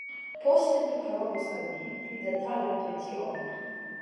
Poste mi parolos al vi pli detale pri tio.